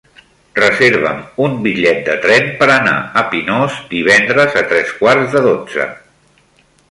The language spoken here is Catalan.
Reserva'm un bitllet de tren per anar a Pinós divendres a tres quarts de dotze.